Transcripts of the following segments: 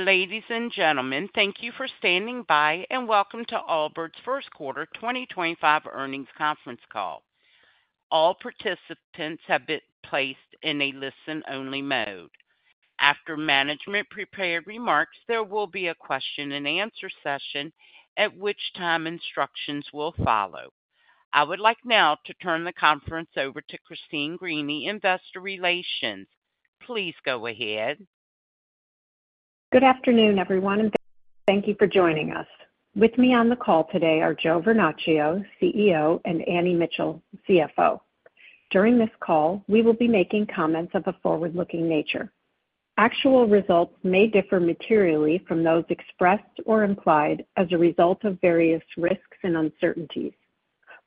Ladies and gentlemen, thank you for standing by and welcome to Allbirds First Quarter 2025 earnings conference call. All participants have been placed in a listen-only mode. After management prepared remarks, there will be a question-and-answer session, at which time instructions will follow. I would like now to turn the conference over to Christine Greany of Investor Relations. Please go ahead. Good afternoon, everyone, and thank you for joining us. With me on the call today are Joe Vernachio, CEO, and Annie Mitchell, CFO. During this call, we will be making comments of a forward-looking nature. Actual results may differ materially from those expressed or implied as a result of various risks and uncertainties.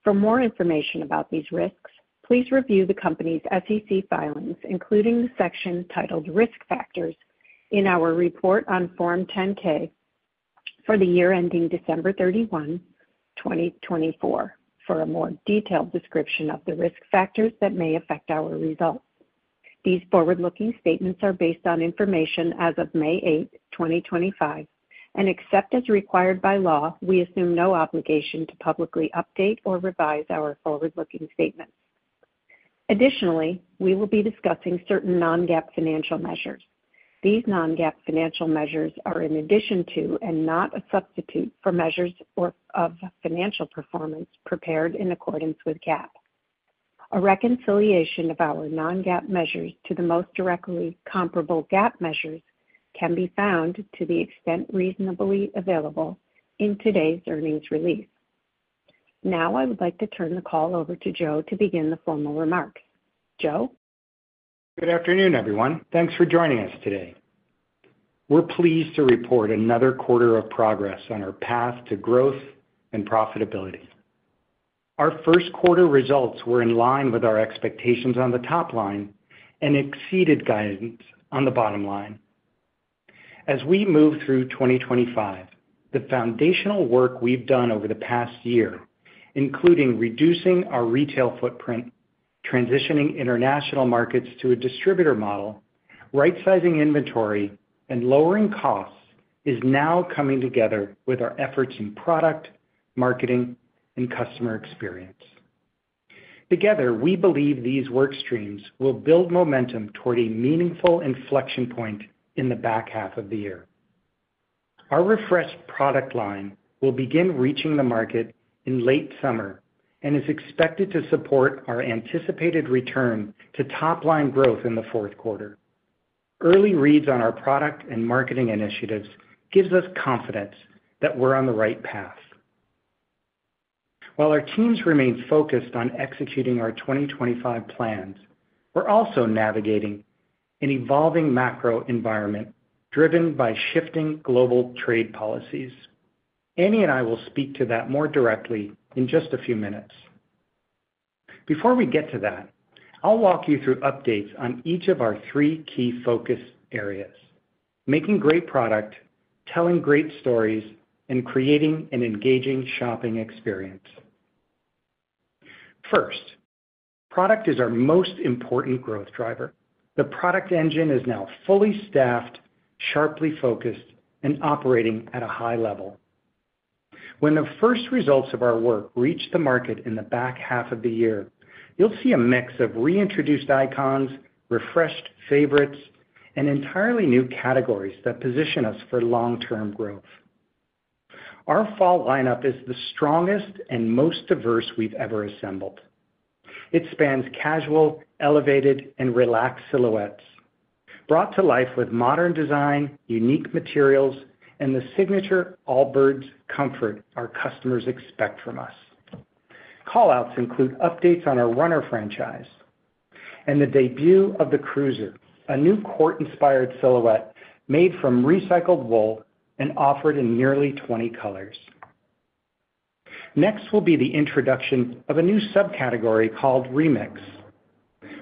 For more information about these risks, please review the company's SEC filings, including the section titled Risk Factors, in our report on Form 10-K for the year ending December 31, 2024, for a more detailed description of the risk factors that may affect our results. These forward-looking statements are based on information as of May 8, 2025, and except as required by law, we assume no obligation to publicly update or revise our forward-looking statements. Additionally, we will be discussing certain non-GAAP financial measures. These non-GAAP financial measures are in addition to and not a substitute for measures of financial performance prepared in accordance with GAAP. A reconciliation of our non-GAAP measures to the most directly comparable GAAP measures can be found, to the extent reasonably available, in today's earnings release. Now, I would like to turn the call over to Joe to begin the formal remarks. Joe? Good afternoon, everyone. Thanks for joining us today. We're pleased to report another quarter of progress on our path to growth and profitability. Our first quarter results were in line with our expectations on the top line and exceeded guidance on the bottom line. As we move through 2025, the foundational work we've done over the past year, including reducing our retail footprint, transitioning international markets to a distributor model, right-sizing inventory, and lowering costs, is now coming together with our efforts in product, marketing, and customer experience. Together, we believe these workstreams will build momentum toward a meaningful inflection point in the back half of the year. Our refreshed product line will begin reaching the market in late summer and is expected to support our anticipated return to top-line growth in the fourth quarter. Early reads on our product and marketing initiatives give us confidence that we're on the right path. While our teams remain focused on executing our 2025 plans, we're also navigating an evolving macro environment driven by shifting global trade policies. Annie and I will speak to that more directly in just a few minutes. Before we get to that, I'll walk you through updates on each of our three key focus areas: making great product, telling great stories, and creating an engaging shopping experience. First, product is our most important growth driver. The product engine is now fully staffed, sharply focused, and operating at a high level. When the first results of our work reach the market in the back half of the year, you'll see a mix of reintroduced icons, refreshed favorites, and entirely new categories that position us for long-term growth. Our fall lineup is the strongest and most diverse we've ever assembled. It spans casual, elevated, and relaxed silhouettes, brought to life with modern design, unique materials, and the signature Allbirds comfort our customers expect from us. Callouts include updates on our Runner franchise and the debut of the Cruiser, a new court-inspired silhouette made from recycled wool and offered in nearly 20 colors. Next will be the introduction of a new subcategory called Remix,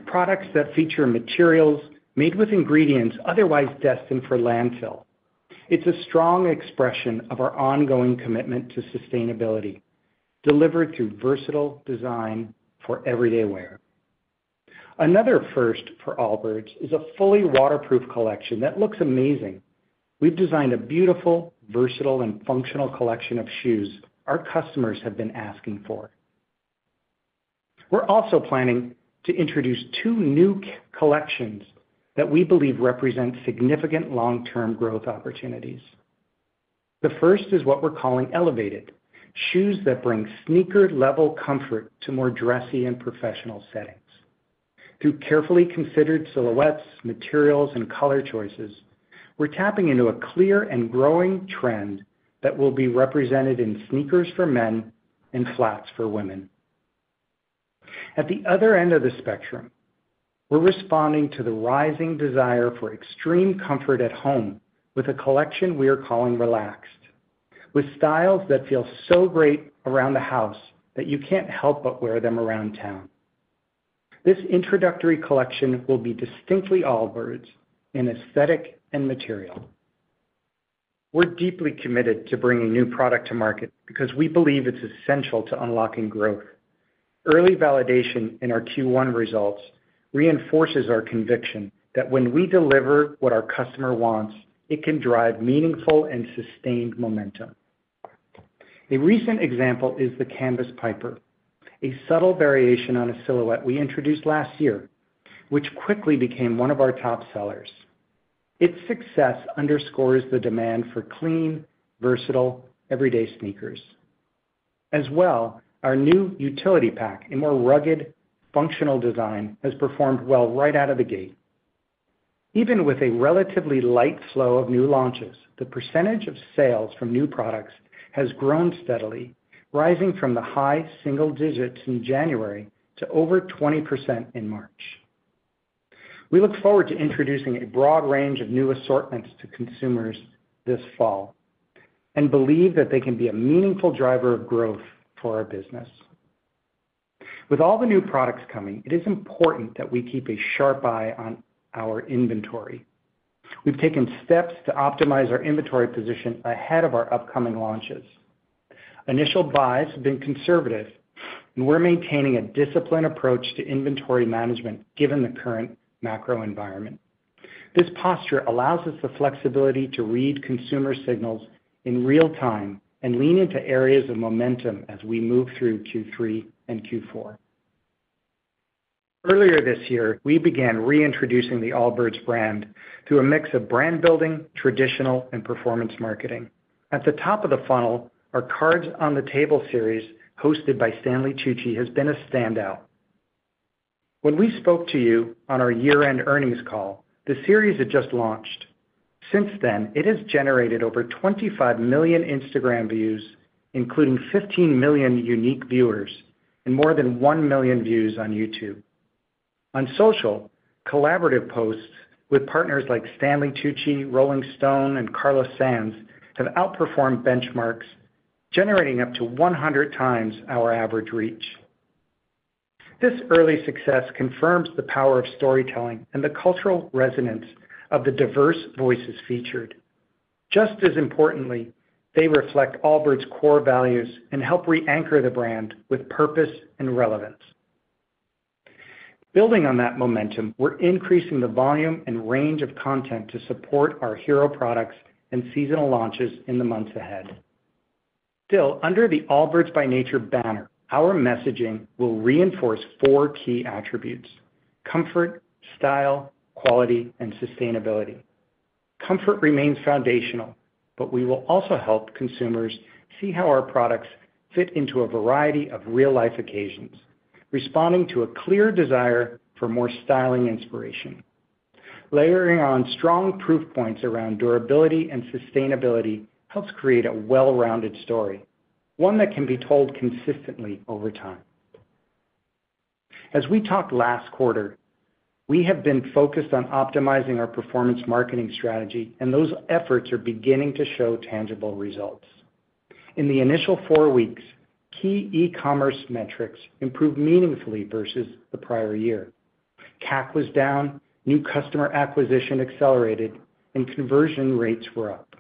products that feature materials made with ingredients otherwise destined for landfill. It's a strong expression of our ongoing commitment to sustainability, delivered through versatile design for everyday wear. Another first for Allbirds is a fully waterproof collection that looks amazing. We've designed a beautiful, versatile, and functional collection of shoes our customers have been asking for. We're also planning to introduce two new collections that we believe represent significant long-term growth opportunities. The first is what we're calling Elevated, shoes that bring sneaker-level comfort to more dressy and professional settings. Through carefully considered silhouettes, materials, and color choices, we're tapping into a clear and growing trend that will be represented in sneakers for men and flats for women. At the other end of the spectrum, we're responding to the rising desire for extreme comfort at home with a collection we are calling Relaxed, with styles that feel so great around the house that you can't help but wear them around town. This introductory collection will be distinctly Allbirds in aesthetic and material. We're deeply committed to bringing new product to market because we believe it's essential to unlocking growth. Early validation in our Q1 results reinforces our conviction that when we deliver what our customer wants, it can drive meaningful and sustained momentum. A recent example is the Canvas Piper, a subtle variation on a silhouette we introduced last year, which quickly became one of our top sellers. Its success underscores the demand for clean, versatile, everyday sneakers. As well, our new Utility Pack, a more rugged, functional design, has performed well right out of the gate. Even with a relatively light flow of new launches, the percentage of sales from new products has grown steadily, rising from the high single digits in January to over 20% in March. We look forward to introducing a broad range of new assortments to consumers this fall and believe that they can be a meaningful driver of growth for our business. With all the new products coming, it is important that we keep a sharp eye on our inventory. We've taken steps to optimize our inventory position ahead of our upcoming launches. Initial buys have been conservative, and we're maintaining a disciplined approach to inventory management given the current macro environment. This posture allows us the flexibility to read consumer signals in real time and lean into areas of momentum as we move through Q3 and Q4. Earlier this year, we began reintroducing the Allbirds brand through a mix of brand-building, traditional, and performance marketing. At the top of the funnel, our Cards on the Table series hosted by Stanley Tucci has been a standout. When we spoke to you on our year-end earnings call, the series had just launched. Since then, it has generated over 25 million Instagram views, including 15 million unique viewers and more than 1 million views on YouTube. On social, collaborative posts with partners like Stanley Tucci, Rolling Stone, and Carlos Sainz have outperformed benchmarks, generating up to 100 times our average reach. This early success confirms the power of storytelling and the cultural resonance of the diverse voices featured. Just as importantly, they reflect Allbirds' core values and help reanchor the brand with purpose and relevance. Building on that momentum, we're increasing the volume and range of content to support our hero products and seasonal launches in the months ahead. Still, under the Allbirds by Nature banner, our messaging will reinforce four key attributes: comfort, style, quality, and sustainability. Comfort remains foundational, but we will also help consumers see how our products fit into a variety of real-life occasions, responding to a clear desire for more styling inspiration. Layering on strong proof points around durability and sustainability helps create a well-rounded story, one that can be told consistently over time. As we talked last quarter, we have been focused on optimizing our performance marketing strategy, and those efforts are beginning to show tangible results. In the initial four weeks, key e-commerce metrics improved meaningfully versus the prior year. CAC was down, new customer acquisition accelerated, and conversion rates were up.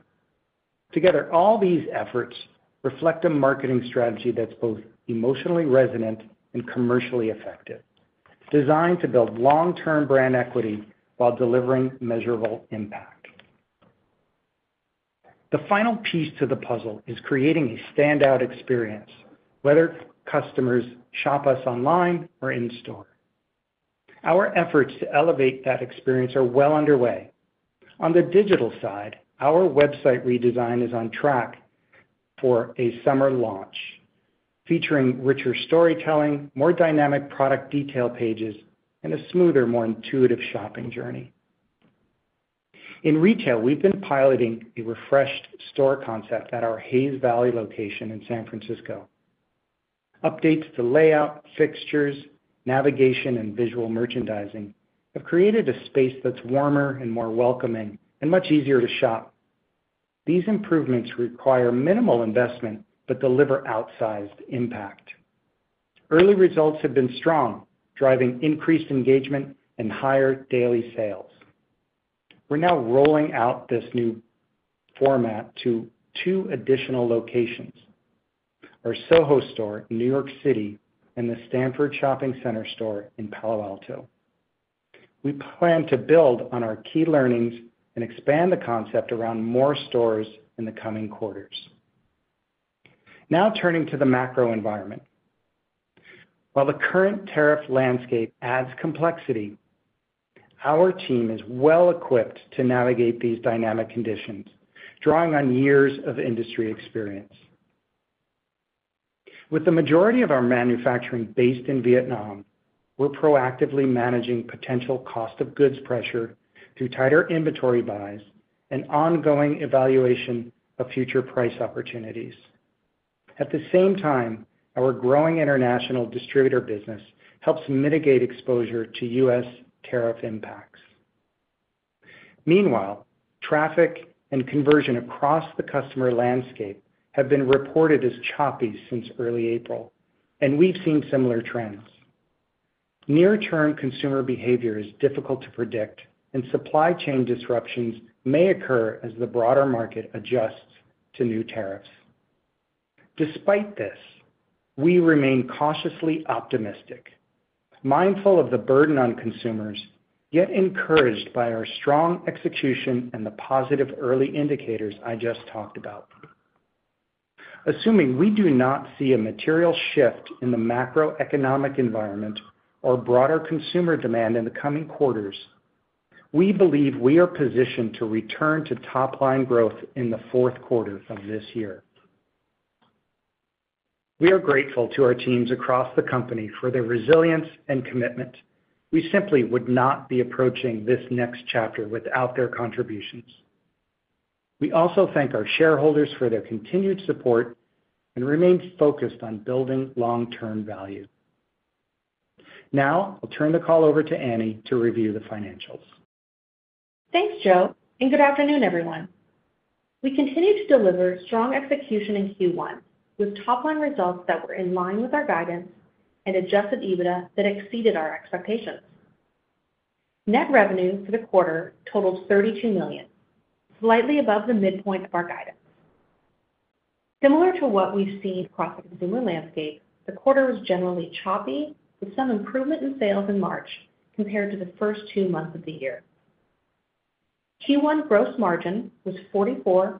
Together, all these efforts reflect a marketing strategy that's both emotionally resonant and commercially effective, designed to build long-term brand equity while delivering measurable impact. The final piece to the puzzle is creating a standout experience, whether customers shop us online or in store. Our efforts to elevate that experience are well underway. On the digital side, our website redesign is on track for a summer launch, featuring richer storytelling, more dynamic product detail pages, and a smoother, more intuitive shopping journey. In retail, we've been piloting a refreshed store concept at our Hayes Valley location in San Francisco. Updates to layout, fixtures, navigation, and visual merchandising have created a space that's warmer and more welcoming and much easier to shop. These improvements require minimal investment but deliver outsized impact. Early results have been strong, driving increased engagement and higher daily sales. We're now rolling out this new format to two additional locations: our Soho store in New York City and the Stanford Shopping Center store in Palo Alto. We plan to build on our key learnings and expand the concept around more stores in the coming quarters. Now turning to the macro environment. While the current tariff landscape adds complexity, our team is well-equipped to navigate these dynamic conditions, drawing on years of industry experience. With the majority of our manufacturing based in Vietnam, we're proactively managing potential cost of goods pressure through tighter inventory buys and ongoing evaluation of future price opportunities. At the same time, our growing international distributor business helps mitigate exposure to U.S. tariff impacts. Meanwhile, traffic and conversion across the customer landscape have been reported as choppy since early April, and we've seen similar trends. Near-term consumer behavior is difficult to predict, and supply chain disruptions may occur as the broader market adjusts to new tariffs. Despite this, we remain cautiously optimistic, mindful of the burden on consumers, yet encouraged by our strong execution and the positive early indicators I just talked about. Assuming we do not see a material shift in the macroeconomic environment or broader consumer demand in the coming quarters, we believe we are positioned to return to top-line growth in the fourth quarter of this year. We are grateful to our teams across the company for their resilience and commitment. We simply would not be approaching this next chapter without their contributions. We also thank our shareholders for their continued support and remain focused on building long-term value. Now, I'll turn the call over to Annie to review the financials. Thanks, Joe, and good afternoon, everyone. We continue to deliver strong execution in Q1 with top-line results that were in line with our guidance and adjusted EBITDA that exceeded our expectations. Net revenue for the quarter totaled $32 million, slightly above the midpoint of our guidance. Similar to what we've seen across the consumer landscape, the quarter was generally choppy, with some improvement in sales in March compared to the first two months of the year. Q1 gross margin was 44.8%.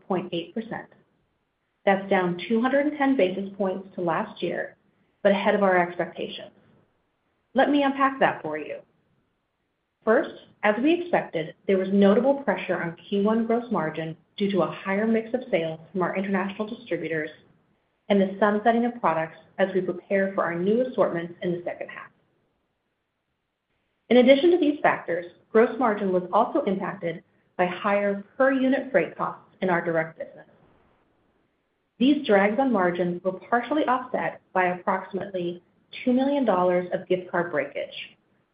That's down 210 basis points to last year, but ahead of our expectations. Let me unpack that for you. First, as we expected, there was notable pressure on Q1 gross margin due to a higher mix of sales from our international distributors and the sun setting of products as we prepare for our new assortments in the second half. In addition to these factors, gross margin was also impacted by higher per-unit freight costs in our direct business. These drags on margin were partially offset by approximately $2 million of gift card breakage,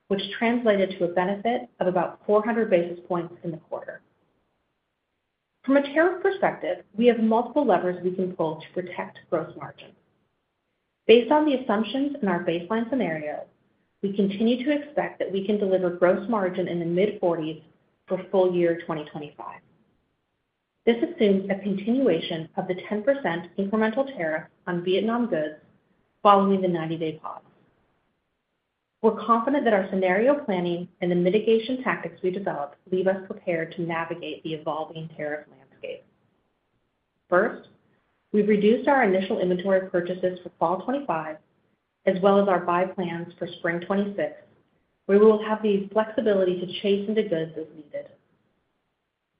which translated to a benefit of about 400 basis points in the quarter. From a tariff perspective, we have multiple levers we can pull to protect gross margin. Based on the assumptions in our baseline scenario, we continue to expect that we can deliver gross margin in the mid-40% for full year 2025. This assumes a continuation of the 10% incremental tariff on Vietnam goods following the 90-day pause. We're confident that our scenario planning and the mitigation tactics we developed leave us prepared to navigate the evolving tariff landscape. First, we've reduced our initial inventory purchases for Fall 2025, as well as our buy plans for Spring 2026, where we will have the flexibility to chase into goods as needed.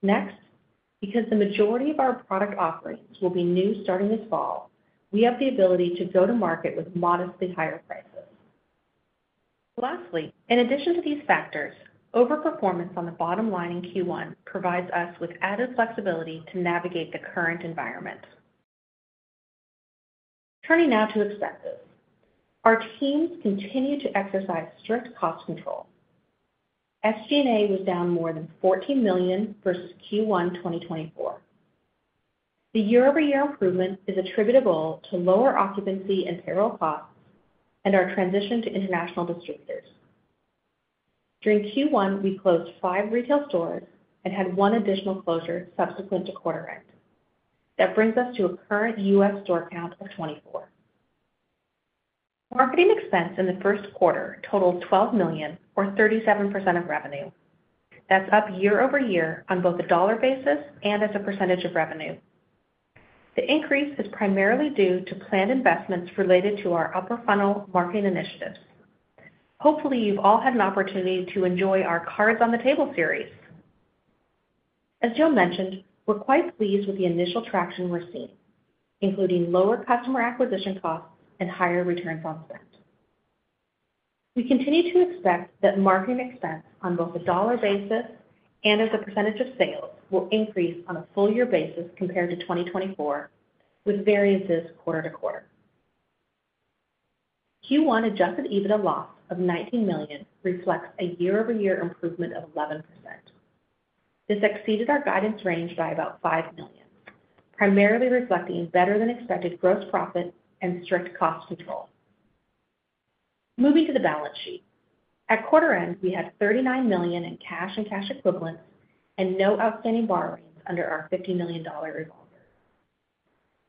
Next, because the majority of our product offerings will be new starting this fall, we have the ability to go to market with modestly higher prices. Lastly, in addition to these factors, overperformance on the bottom line in Q1 provides us with added flexibility to navigate the current environment. Turning now to expenses, our teams continue to exercise strict cost control. SG&A was down more than $14 million versus Q1 2024. The year-over-year improvement is attributable to lower occupancy and payroll costs and our transition to international distributors. During Q1, we closed five retail stores and had one additional closure subsequent to quarter-end. That brings us to a current U.S. store count of 24. Marketing expense in the first quarter totaled $12 million, or 37% of revenue. That's up year-over-year on both a dollar basis and as a percentage of revenue. The increase is primarily due to planned investments related to our upper-funnel marketing initiatives. Hopefully, you've all had an opportunity to enjoy our Cards on the Table series. As Joe mentioned, we're quite pleased with the initial traction we're seeing, including lower customer acquisition costs and higher returns on spend. We continue to expect that marketing expense on both a dollar basis and as a percentage of sales will increase on a full-year basis compared to 2024, with variances quarter to quarter. Q1 adjusted EBITDA loss of $19 million reflects a year-over-year improvement of 11%. This exceeded our guidance range by about $5 million, primarily reflecting better-than-expected gross profit and strict cost control. Moving to the balance sheet, at quarter-end, we had $39 million in cash and cash equivalents and no outstanding borrowings under our $50 million revolver.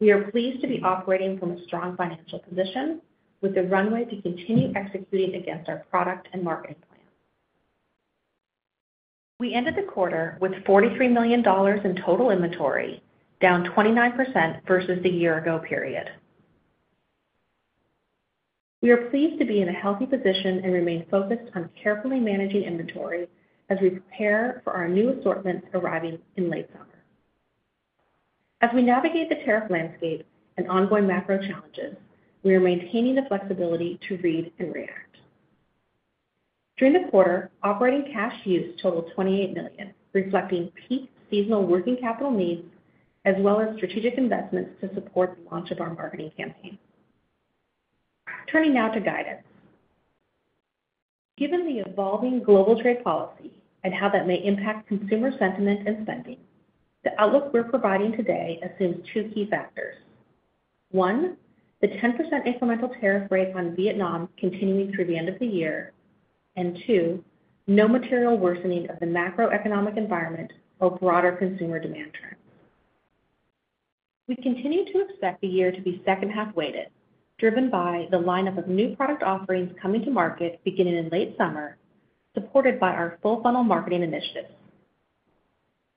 We are pleased to be operating from a strong financial position with a runway to continue executing against our product and marketing plan. We ended the quarter with $43 million in total inventory, down 29% versus the year-ago period. We are pleased to be in a healthy position and remain focused on carefully managing inventory as we prepare for our new assortments arriving in late summer. As we navigate the tariff landscape and ongoing macro challenges, we are maintaining the flexibility to read and react. During the quarter, operating cash use totaled $28 million, reflecting peak seasonal working capital needs as well as strategic investments to support the launch of our marketing campaign. Turning now to guidance. Given the evolving global trade policy and how that may impact consumer sentiment and spending, the outlook we're providing today assumes two key factors. One, the 10% incremental tariff rate on Vietnam continuing through the end of the year, and two, no material worsening of the macroeconomic environment or broader consumer demand trends. We continue to expect the year to be second-half weighted, driven by the lineup of new product offerings coming to market beginning in late summer, supported by our full-funnel marketing initiatives.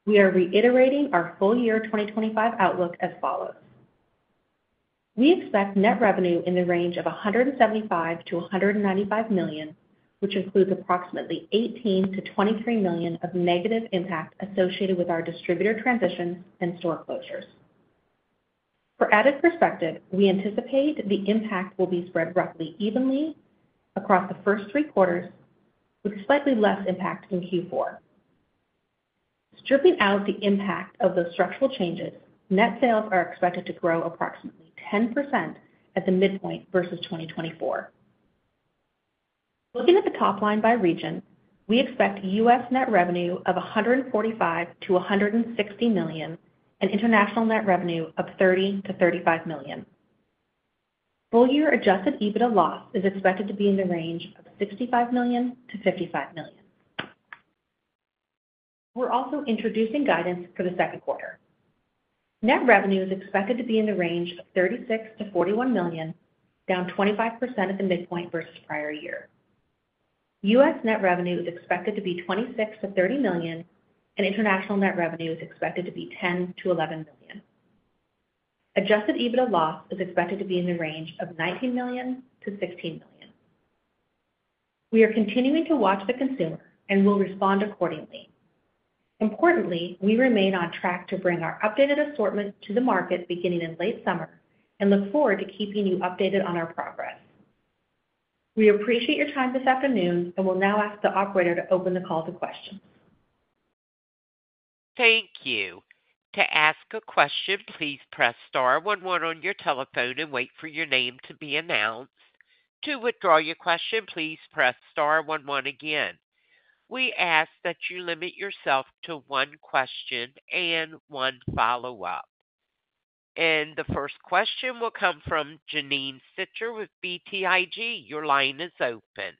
We are reiterating our full year 2025 outlook as follows. We expect net revenue in the range of $175 million-$195 million, which includes approximately $18 million-$23 million of negative impact associated with our distributor transitions and store closures. For added perspective, we anticipate the impact will be spread roughly evenly across the first three quarters, with slightly less impact in Q4. Stripping out the impact of the structural changes, net sales are expected to grow approximately 10% at the midpoint versus 2024. Looking at the top line by region, we expect U.S. net revenue of $145 million-$160 million and international net revenue of $30 million-$35 million. Full-year adjusted EBITDA loss is expected to be in the range of $65 million-$55 million. We're also introducing guidance for the second quarter. Net revenue is expected to be in the range of $36 million-$41 million, down 25% at the midpoint versus prior year. U.S. Net revenue is expected to be $26 million-$30 million, and international net revenue is expected to be $10 million-$11 million. Adjusted EBITDA loss is expected to be in the range of $19 million-$16 million. We are continuing to watch the consumer and will respond accordingly. Importantly, we remain on track to bring our updated assortment to the market beginning in late summer and look forward to keeping you updated on our progress. We appreciate your time this afternoon and will now ask the operator to open the call to questions. Thank you. To ask a question, please press star one one on your telephone and wait for your name to be announced. To withdraw your question, please press star one one again. We ask that you limit yourself to one question and one follow-up. The first question will come from Janine Stichter with BTIG. Your line is open.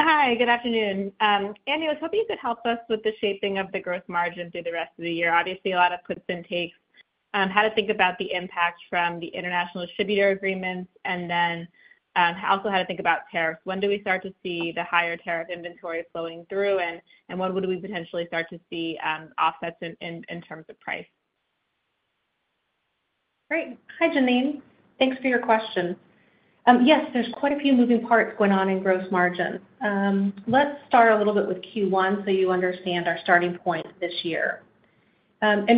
Hi, good afternoon. Andy, I was hoping you could help us with the shaping of the gross margin through the rest of the year. Obviously, a lot of cuts and takes, how to think about the impact from the international distributor agreements, and then also how to think about tariffs. When do we start to see the higher tariff inventory flowing through, and when would we potentially start to see offsets in terms of price? Great. Hi, Janine. Thanks for your question. Yes, there's quite a few moving parts going on in gross margin. Let's start a little bit with Q1 so you understand our starting point this year.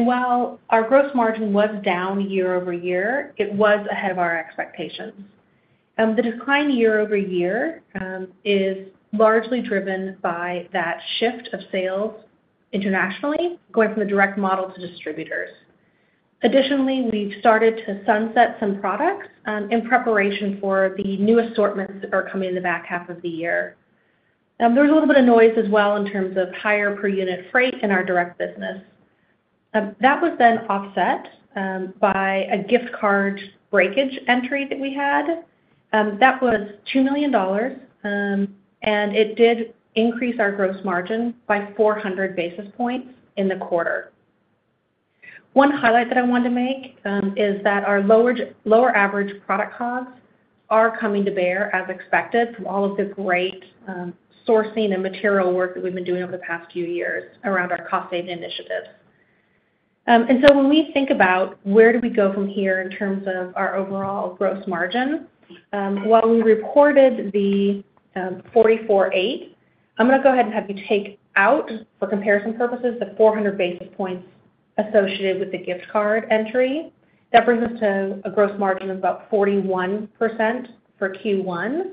While our gross margin was down year-over-year, it was ahead of our expectations. The decline year-over-year is largely driven by that shift of sales internationally going from the direct model to distributors. Additionally, we've started to sunset some products in preparation for the new assortments that are coming in the back half of the year. There was a little bit of noise as well in terms of higher per-unit freight in our direct business. That was then offset by a gift card breakage entry that we had. That was $2 million, and it did increase our gross margin by 400 basis points in the quarter. One highlight that I wanted to make is that our lower average product costs are coming to bear as expected from all of the great sourcing and material work that we've been doing over the past few years around our cost-saving initiatives. When we think about where do we go from here in terms of our overall gross margin, while we reported the 44.8%, I'm going to go ahead and have you take out, for comparison purposes, the 400 basis points associated with the gift card entry. That brings us to a gross margin of about 41% for Q1.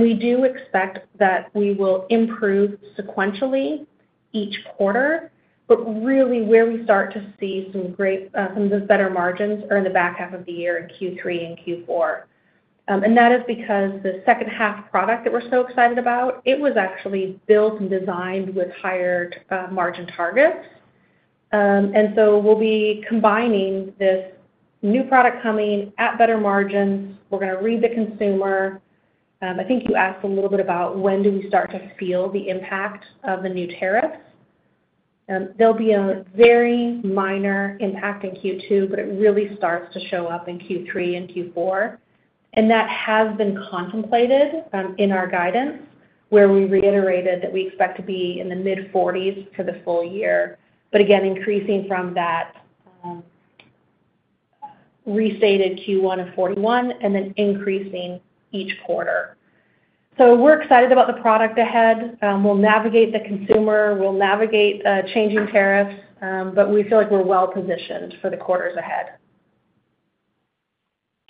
We do expect that we will improve sequentially each quarter, but really where we start to see some of those better margins are in the back half of the year in Q3 and Q4. That is because the second-half product that we're so excited about, it was actually built and designed with higher margin targets. We will be combining this new product coming at better margins. We're going to read the consumer. I think you asked a little bit about when do we start to feel the impact of the new tariffs. There'll be a very minor impact in Q2, but it really starts to show up in Q3 and Q4. That has been contemplated in our guidance, where we reiterated that we expect to be in the mid-40% for the full year, but again, increasing from that restated Q1 of 41% and then increasing each quarter. We're excited about the product ahead. We'll navigate the consumer. We'll navigate changing tariffs, but we feel like we're well-positioned for the quarters ahead.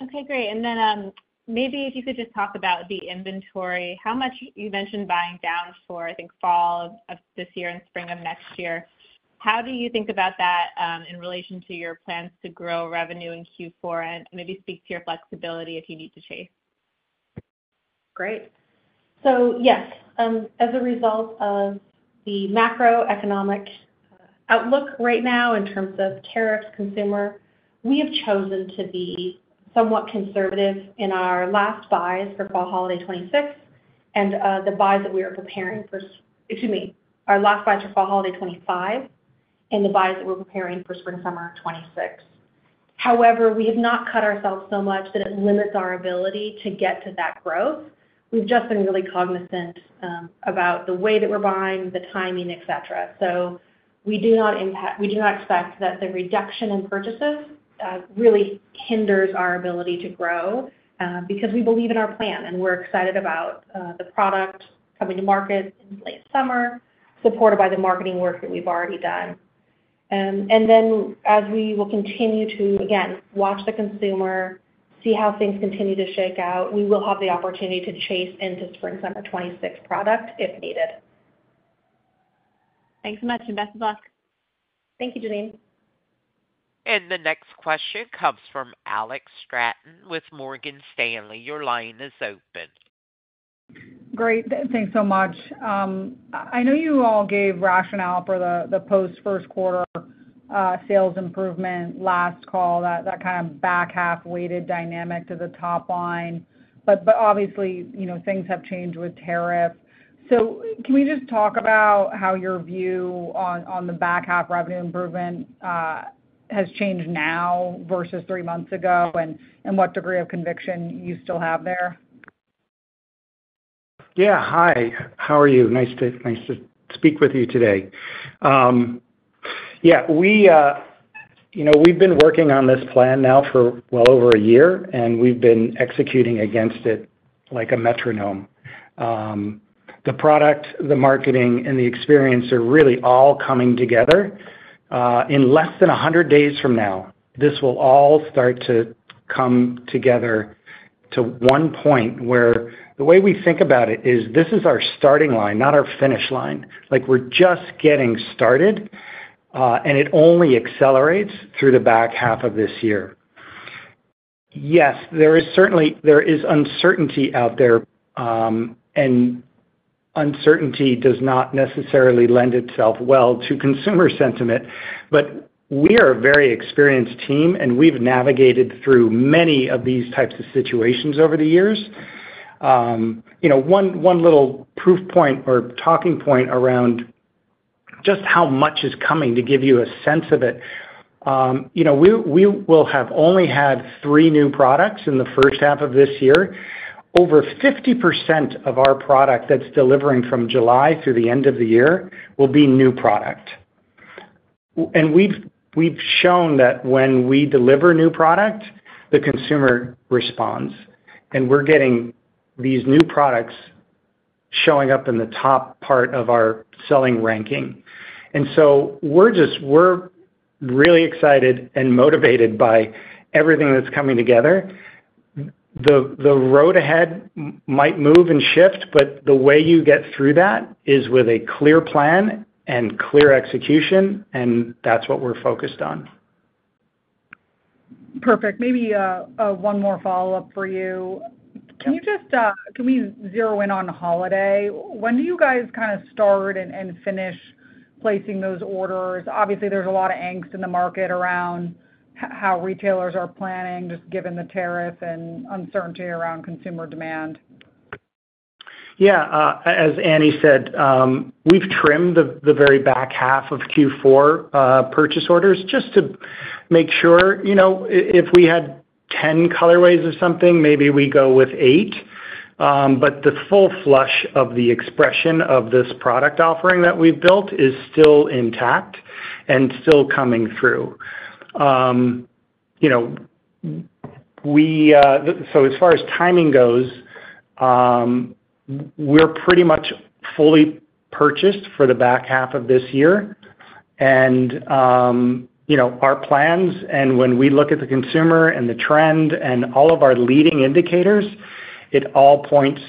Okay, great. Maybe if you could just talk about the inventory. You mentioned buying down for, I think, fall of this year and spring of next year. How do you think about that in relation to your plans to grow revenue in Q4 and maybe speak to your flexibility if you need to chase? Great. Yes, as a result of the macroeconomic outlook right now in terms of tariffs, consumer, we have chosen to be somewhat conservative in our last buys for Fall Holiday 2025 and the buys that we are preparing for—excuse me—our last buys for Fall Holiday 2025 and the buys that we are preparing for Spring/Summer 2026. However, we have not cut ourselves so much that it limits our ability to get to that growth. We have just been really cognizant about the way that we are buying, the timing, etc. We do not expect that the reduction in purchases really hinders our ability to grow because we believe in our plan, and we're excited about the product coming to market in late summer, supported by the marketing work that we've already done. As we will continue to, again, watch the consumer, see how things continue to shake out, we will have the opportunity to chase into Spring/Summer 2026 product if needed. Thanks so much. And best of luck. Thank you, Janine. The next question comes from Alex Straton with Morgan Stanley. Your line is open. Great. Thanks so much. I know you all gave rationale for the post-first quarter sales improvement last call, that kind of back-half weighted dynamic to the top line. Obviously, things have changed with tariffs. Can we just talk about how your view on the back-half revenue improvement has changed now versus three months ago and what degree of conviction you still have there? Yeah. Hi. How are you? Nice to speak with you today. Yeah. We've been working on this plan now for well over a year, and we've been executing against it like a metronome. The product, the marketing, and the experience are really all coming together. In less than 100 days from now, this will all start to come together to one point where the way we think about it is this is our starting line, not our finish line. We're just getting started, and it only accelerates through the back half of this year. Yes, there is uncertainty out there, and uncertainty does not necessarily lend itself well to consumer sentiment. We are a very experienced team, and we've navigated through many of these types of situations over the years. One little proof point or talking point around just how much is coming to give you a sense of it, we will have only had three new products in the first half of this year. Over 50% of our product that's delivering from July through the end of the year will be new product. We've shown that when we deliver new product, the consumer responds, and we're getting these new products showing up in the top part of our selling ranking. We are really excited and motivated by everything that's coming together. The road ahead might move and shift, but the way you get through that is with a clear plan and clear execution, and that's what we're focused on. Perfect. Maybe one more follow-up for you. Can we zero in on holiday? When do you guys kind of start and finish placing those orders? Obviously, there's a lot of angst in the market around how retailers are planning, just given the tariff and uncertainty around consumer demand. Yeah. As Annie said, we've trimmed the very back half of Q4 purchase orders just to make sure. If we had 10 colorways of something, maybe we'd go with 8. The full flush of the expression of this product offering that we've built is still intact and still coming through. As far as timing goes, we're pretty much fully purchased for the back half of this year. Our plans, and when we look at the consumer and the trend and all of our leading indicators, it all points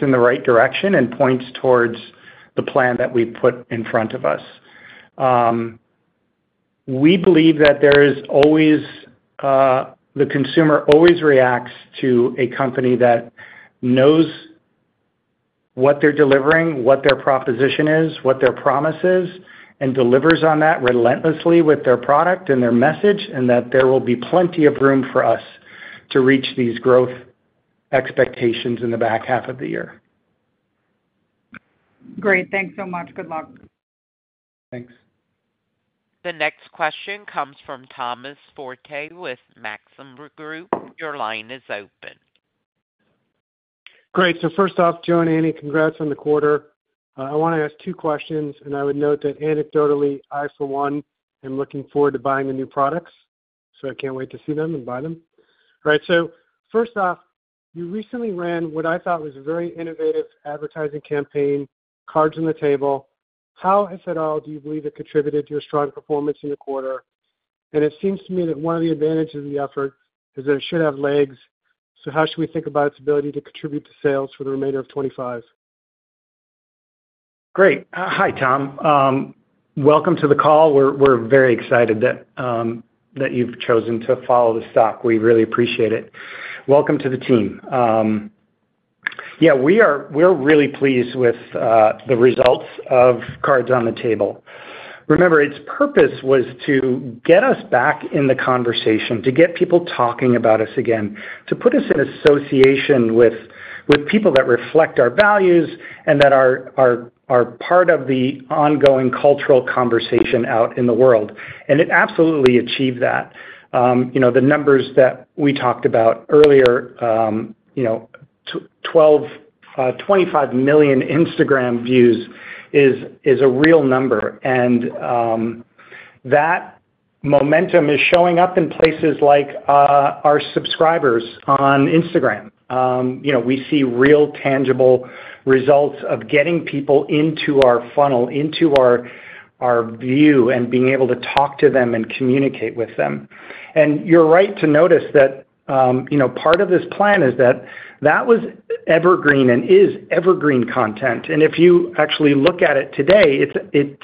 in the right direction and points towards the plan that we've put in front of us. We believe that the consumer always reacts to a company that knows what they're delivering, what their proposition is, what their promise is, and delivers on that relentlessly with their product and their message, and that there will be plenty of room for us to reach these growth expectations in the back half of the year. Great. Thanks so much. Good luck. Thanks. The next question comes from Thomas Forte with Maxim Group. Your line is open. Great. So first off, Joe and Annie, congrats on the quarter. I want to ask two questions, and I would note that anecdotally, I for one am looking forward to buying the new products, so I can't wait to see them and buy them. All right. So first off, you recently ran what I thought was a very innovative advertising campaign, Cards on the Table. How, if at all, do you believe it contributed to your strong performance in the quarter? It seems to me that one of the advantages of the effort is that it should have legs. How should we think about its ability to contribute to sales for the remainder of 2025? Great. Hi, Tom. Welcome to the call. We're very excited that you've chosen to follow the stock. We really appreciate it. Welcome to the team. Yeah, we're really pleased with the results of Cards on the Table. Remember, its purpose was to get us back in the conversation, to get people talking about us again, to put us in association with people that reflect our values and that are part of the ongoing cultural conversation out in the world. It absolutely achieved that. The numbers that we talked about earlier, 25 million Instagram views is a real number. That momentum is showing up in places like our subscribers on Instagram. We see real tangible results of getting people into our funnel, into our view, and being able to talk to them and communicate with them. You're right to notice that part of this plan is that that was evergreen and is evergreen content. If you actually look at it today, its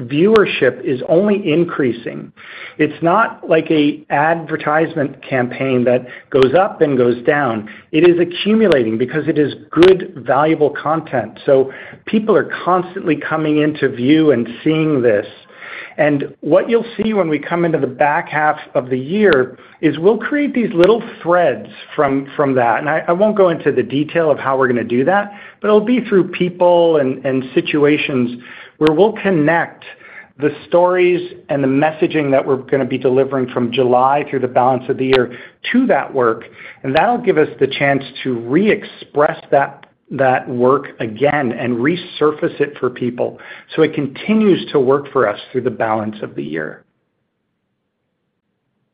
viewership is only increasing. It's not like an advertisement campaign that goes up and goes down. It is accumulating because it is good, valuable content. People are constantly coming into view and seeing this. What you'll see when we come into the back half of the year is we'll create these little threads from that. I won't go into the detail of how we're going to do that, but it'll be through people and situations where we'll connect the stories and the messaging that we're going to be delivering from July through the balance of the year to that work. That'll give us the chance to re-express that work again and resurface it for people so it continues to work for us through the balance of the year.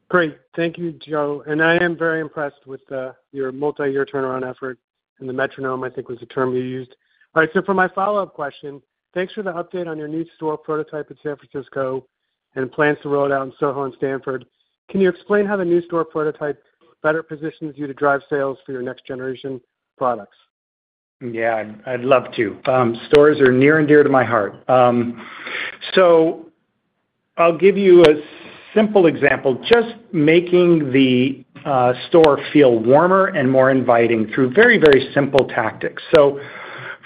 Great. Thank you, Joe. I am very impressed with your multi-year turnaround effort and the metronome, I think, was the term you used. All right. For my follow-up question, thanks for the update on your new store prototype in San Francisco and plans to roll it out in Soho and Stanford. Can you explain how the new store prototype better positions you to drive sales for your next generation products? Yeah. I'd love to. Stores are near and dear to my heart. I'll give you a simple example, just making the store feel warmer and more inviting through very, very simple tactics.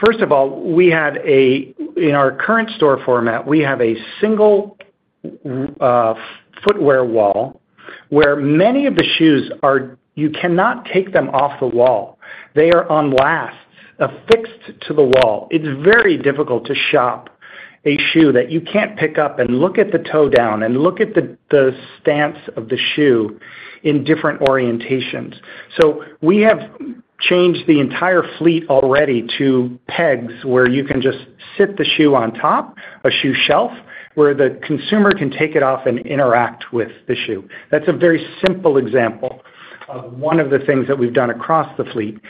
First of all, in our current store format, we have a single footwear wall where many of the shoes are, you cannot take them off the wall. They are on lasts, affixed to the wall. It's very difficult to shop a shoe that you can't pick up and look at the toe down and look at the stance of the shoe in different orientations. We have changed the entire fleet already to pegs where you can just sit the shoe on top, a shoe shelf, where the consumer can take it off and interact with the shoe. That's a very simple example of one of the things that we've done across the fleet.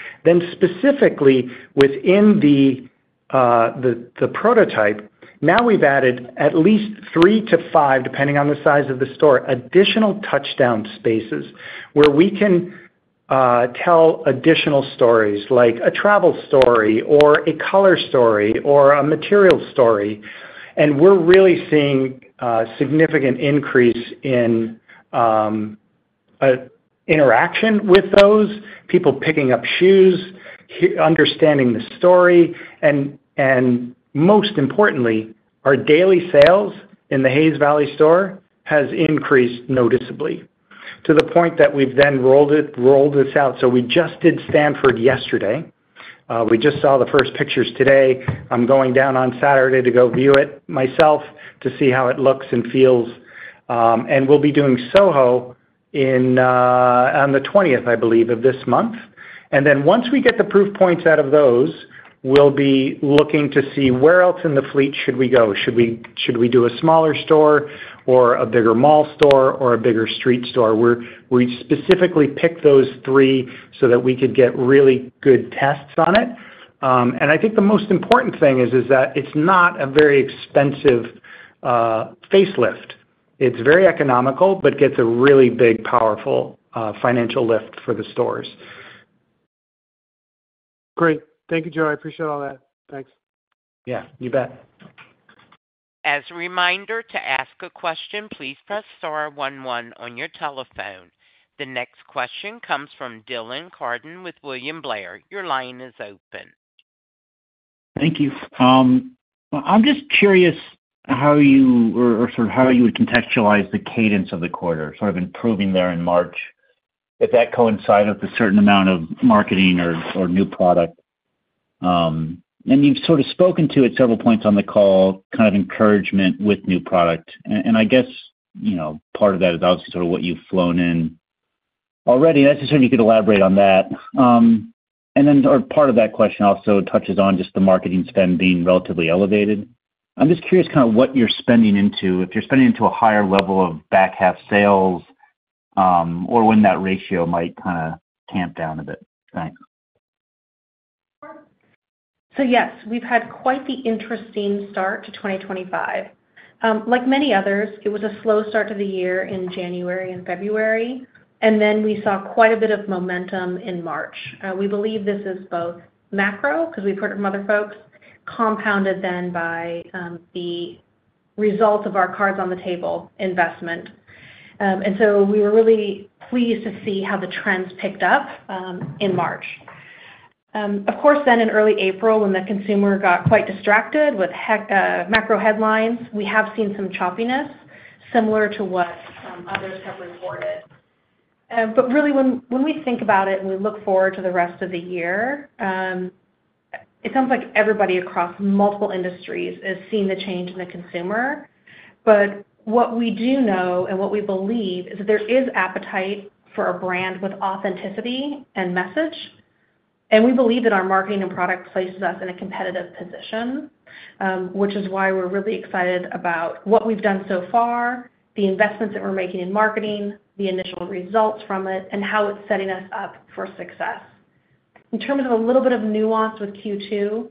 Specifically within the prototype, now we have added at least three to five, depending on the size of the store, additional touchdown spaces where we can tell additional stories like a travel story or a color story or a material story. We are really seeing a significant increase in interaction with those, people picking up shoes, understanding the story. Most importantly, our daily sales in the Hayes Valley store has increased noticeably to the point that we have then rolled this out. We just did Stanford yesterday. We just saw the first pictures today. I am going down on Saturday to go view it myself to see how it looks and feels. We will be doing Soho on the 20th, I believe, of this month. Once we get the proof points out of those, we will be looking to see where else in the fleet should we go? Should we do a smaller store or a bigger mall store or a bigger street store? We specifically picked those three so that we could get really good tests on it. I think the most important thing is that it's not a very expensive facelift. It's very economical, but gets a really big, powerful financial lift for the stores. Great. Thank you, Joe. I appreciate all that. Thanks. Yeah. You bet. As a reminder to ask a question, please press star one one on your telephone. The next question comes from Dylan Carden with William Blair. Your line is open. Thank you. I'm just curious how you or sort of how you would contextualize the cadence of the quarter, sort of improving there in March, if that coincided with a certain amount of marketing or new product. You have sort of spoken to at several points on the call, kind of encouragement with new product. I guess part of that is obviously sort of what you have flown in already. I just want you to elaborate on that. Part of that question also touches on just the marketing spend being relatively elevated. I am just curious kind of what you are spending into, if you are spending into a higher level of back-half sales or when that ratio might kind of tamp down a bit. Thanks. Yes, we have had quite the interesting start to 2025. Like many others, it was a slow start to the year in January and February. We saw quite a bit of momentum in March. We believe this is both macro because we have heard from other folks, compounded then by the result of our Cards on the Table investment. We were really pleased to see how the trends picked up in March. Of course, in early April, when the consumer got quite distracted with macro headlines, we have seen some choppiness similar to what others have reported. Really, when we think about it and we look forward to the rest of the year, it sounds like everybody across multiple industries is seeing the change in the consumer. What we do know and what we believe is that there is appetite for a brand with authenticity and message. We believe that our marketing and product places us in a competitive position, which is why we're really excited about what we've done so far, the investments that we're making in marketing, the initial results from it, and how it's setting us up for success. In terms of a little bit of nuance with Q2,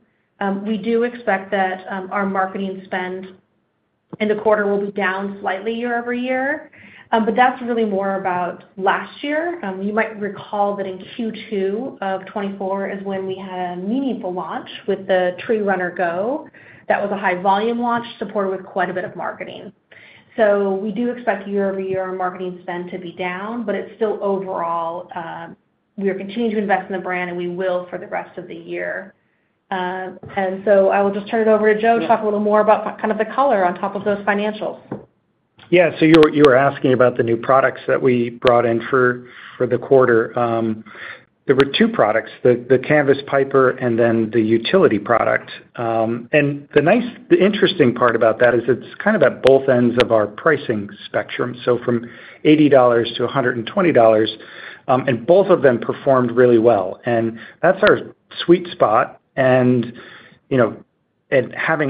we do expect that our marketing spend in the quarter will be down slightly year over year. That is really more about last year. You might recall that in Q2 of 2024 is when we had a meaningful launch with the Tree Runner Go. That was a high-volume launch supported with quite a bit of marketing. We do expect year over year marketing spend to be down, but overall, we are continuing to invest in the brand, and we will for the rest of the year. I will just turn it over to Joe to talk a little more about kind of the color on top of those financials. Yeah. You were asking about the new products that we brought in for the quarter. There were two products, the Canvas Piper and then the Utility product. The interesting part about that is it's kind of at both ends of our pricing spectrum, so from $80 to $120, and both of them performed really well. That's our sweet spot. Having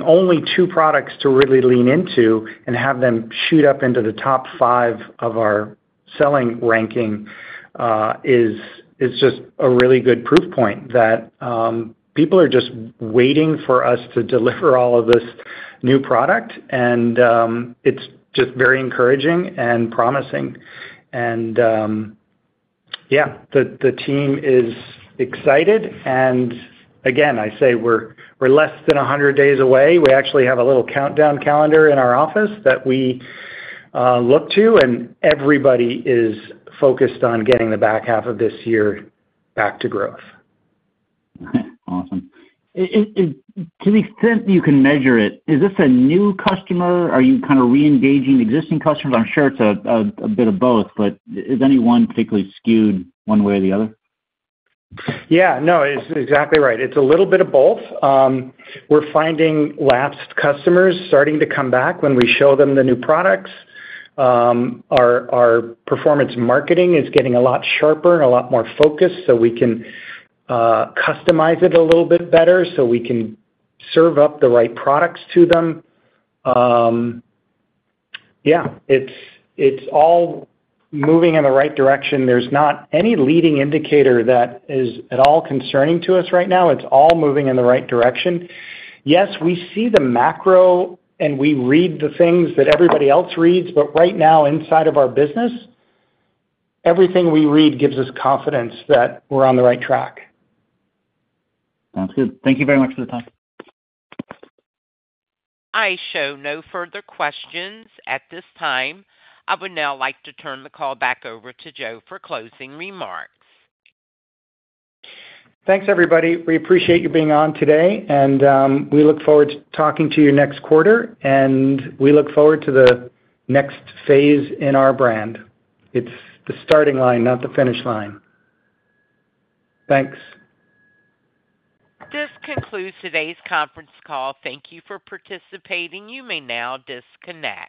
only two products to really lean into and have them shoot up into the top five of our selling ranking is just a really good proof point that people are just waiting for us to deliver all of this new product. It's just very encouraging and promising. Yeah, the team is excited. Again, I say we're less than 100 days away. We actually have a little countdown calendar in our office that we look to, and everybody is focused on getting the back half of this year back to growth. Okay. Awesome. To the extent that you can measure it, is this a new customer? Are you kind of re-engaging existing customers? I'm sure it's a bit of both, but is anyone particularly skewed one way or the other? Yeah. No, it's exactly right. It's a little bit of both. We're finding last customers starting to come back when we show them the new products. Our performance marketing is getting a lot sharper and a lot more focused so we can customize it a little bit better so we can serve up the right products to them. Yeah. It's all moving in the right direction. There's not any leading indicator that is at all concerning to us right now. It's all moving in the right direction. Yes, we see the macro, and we read the things that everybody else reads. Right now, inside of our business, everything we read gives us confidence that we're on the right track. Sounds good. Thank you very much for the time. I show no further questions at this time. I would now like to turn the call back over to Joe for closing remarks. Thanks, everybody. We appreciate you being on today, and we look forward to talking to you next quarter. We look forward to the next phase in our brand. It's the starting line, not the finish line. Thanks. This concludes today's conference call. Thank you for participating. You may now disconnect.